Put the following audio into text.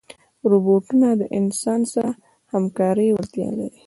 روبوټونه د انسان سره د همکارۍ وړتیا لري.